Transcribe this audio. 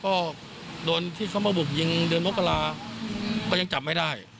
ก็โดนที่เขามาบุกยิงเดือนมกราก็ยังจับไม่ได้